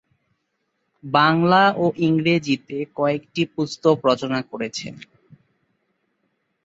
বাংলা ও ইংরেজিতে কয়েকটি পুস্তক রচনা করেছেন।